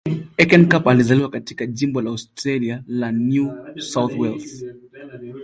Heckenkamp alizaliwa katika jimbo la Australia la New South Wales.